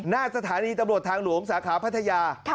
หน้าสถานีอำนวยฐาหลวงศาขาภัทยา